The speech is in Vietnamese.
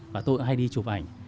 và tôi cũng hay đi chụp ảnh